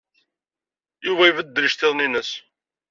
Yuba ibeddel iceḍḍiḍen-nnes.